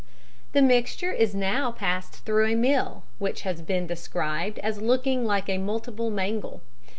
_ The mixture is now passed through a mill, which has been described as looking like a multiple mangle.